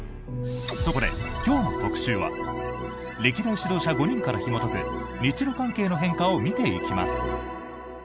そこで今日の特集は歴代指導者５人からひもとく日ロ関係の変化を見ていきます。